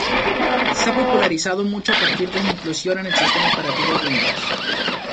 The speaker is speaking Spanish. Se ha popularizado mucho a partir de su inclusión en el sistema operativo Windows.